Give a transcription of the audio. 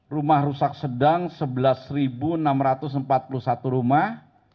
rumah rusak sedang sebelas enam ratus empat puluh satu rumah